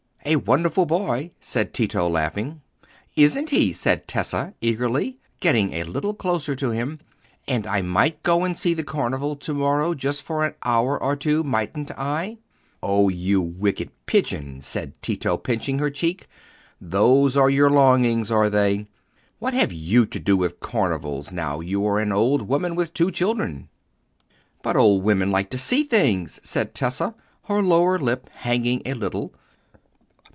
"A wonderful boy!" said Tito, laughing. "Isn't he?" said Tessa, eagerly, getting a little closer to him; "and I might go and see the Carnival to morrow, just for an hour or two, mightn't I?" "Oh, you wicked pigeon!" said Tito, pinching her cheek; "those are your longings, are they? What have you to do with carnivals now you are an old woman with two children?" "But old women like to see things," said Tessa, her lower lip hanging a little.